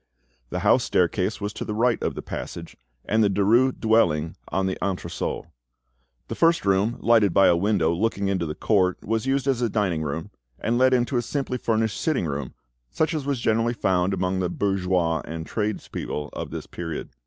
The house staircase was to the right of the passage; and the Derues' dwelling on the entresol. The first room, lighted by a window looking into the court, was used as a dining room, and led into a simply furnished sitting room, such as was generally found among the bourgeois and tradespeople of this period.